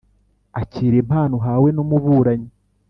Akira impano ahawe n’umuburanyi